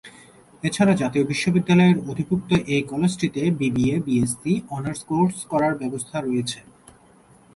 এছাড়া জাতীয় বিশ্ববিদ্যালয়ের অধিভুক্ত এই কলেজটিতে বিবিএ, বিএসসি অনার্স কোর্স করার ব্যবস্থা রয়েছে।